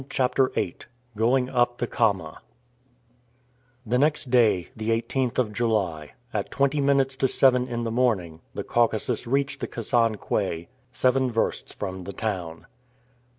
CHAPTER VIII GOING UP THE KAMA THE next day, the 18th of July, at twenty minutes to seven in the morning, the Caucasus reached the Kasan quay, seven versts from the town.